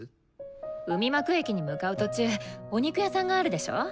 海幕駅に向かう途中お肉屋さんがあるでしょ？